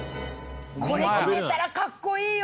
これ決めたらかっこいいよ！